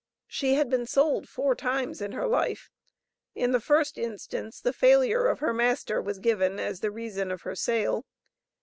She had been sold four times in her life. In the first instance the failure of her master was given as the reason of her sale.